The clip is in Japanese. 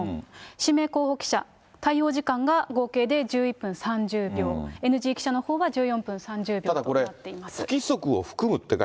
指名候補記者、対応時間が合計で１１分３０秒、ＮＧ記者のほうは１４分３０秒とただこれ、追加質問。